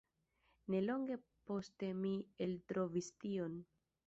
Nelonge poste mi eltrovis tion.